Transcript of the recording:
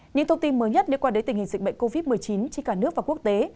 những thông tin mới nhất liên quan đến tình hình dịch bệnh covid một mươi chín trên cả nước và quốc tế